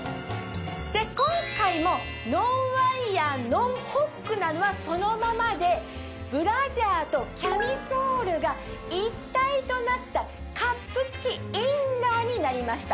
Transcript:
今回もノンワイヤーノンホックなのはそのままでブラジャーとキャミソールが一体となったカップ付きインナーになりました。